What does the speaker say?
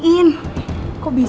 karyawan aku ditipu orang in